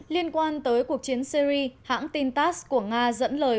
liên quan tới cuộc chiến syri hãng tin tass của nga dẫn lời